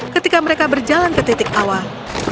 ketika mereka berjalan ke titik awal